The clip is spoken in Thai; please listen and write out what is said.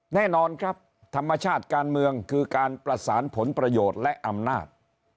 แน่นอนครับธรรมชาติการเมืองคือการประสานผลประโยชน์และอำนาจ